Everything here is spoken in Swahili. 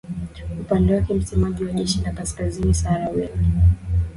upande wake msemaji wa jeshi la kaskazini sara will